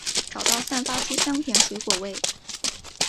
找到散发出的香甜水果味！